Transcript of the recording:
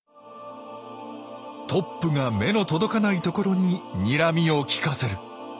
トップが目の届かないところににらみを利かせる。